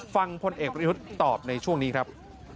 พลเอกประยุทธ์ตอบในช่วงนี้ครับ